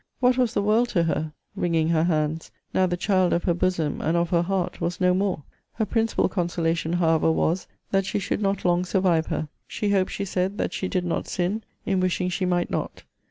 What was the world to her, wringing her hands, now the child of her bosom, and of her heart, was no more? Her principal consolation, however, was, that she should not long survive her. She hoped, she said, that she did not sin, in wishing she might not.